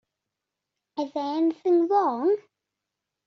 Is there anything wrong?